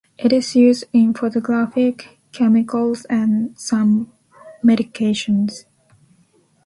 It is used in photographic chemicals and some medications.